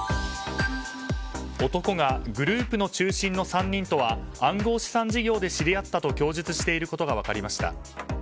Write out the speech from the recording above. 男がグループの中心の３人とは暗号資産事業で知り合ったと供述していることが分かりました。